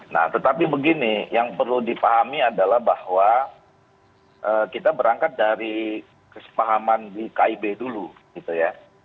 nah tetapi begini yang perlu dipahami adalah bahwa kita berangkat dari kesepahaman di kib dulu gitu ya